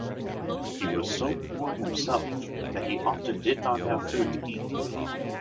He was so poor himself that he often did not have food to eat.